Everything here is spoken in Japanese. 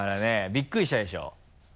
びっくりしたでしょ？